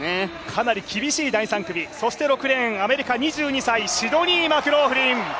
かなり厳しい第３組、６レーン、アメリカ２２歳、シドニー・マクローフリン。